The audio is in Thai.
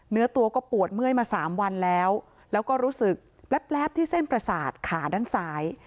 เนื้อตัวก็ปวดเมื่อยมาสามวันแล้วแล้วก็รู้สึกแป๊บที่เส้นประสาทขาด้านซ้าย